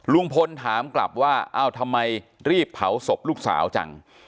ลุงพลถามกลับว่าเอ้าทำไมรีบเผาศพลูกสาวจัง